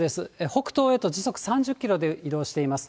北東へと時速３０キロで移動しています。